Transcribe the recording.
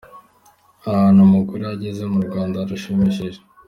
Ahantu umugore ageze mu Rwanda harashimishije